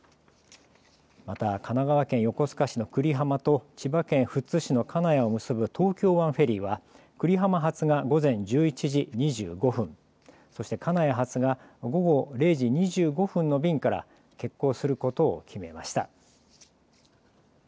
また神奈川県横須賀市の久里浜と千葉県富津市の金谷を結ぶ東京湾フェリーは久里浜発が午前１１時２５分、そして金谷発が午後０時２５分の便から欠航することを決めました。